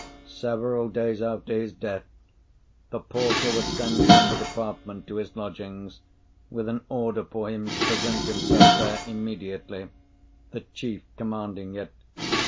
Several days after his death, the porter was sent from the department to his lodgings, with an order for him to present himself there immediately; the chief commanding it.